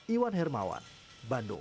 iwan hermawan bandung